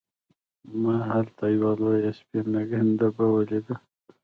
ما هلته یوه لویه سپینه ګنبده ولیده.